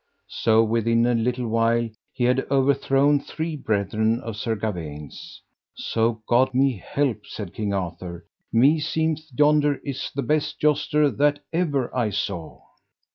So within a little while he had overthrown three brethren of Sir Gawaine's. So God me help, said King Arthur, meseemeth yonder is the best jouster that ever I saw.